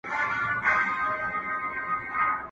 ¬ خوند ئې ښه دئ، را تله ئې!